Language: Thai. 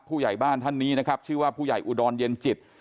ผู้ใหญ่บ้านท่านนี้นะครับชื่อว่าผู้ใหญ่อุดรเย็นจิต